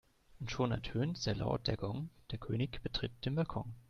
Und schon ertönt sehr laut der Gong, der König betritt den Balkon.